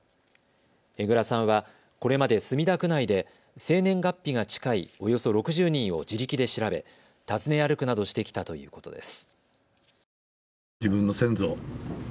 江藏さんは、これまで墨田区内で生年月日が近いおよそ６０人を自力で調べ訪ね歩くなどしてきたということです。